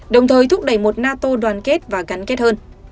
đồng thời thúc đẩy một nato đoàn kết và gắn kết hơn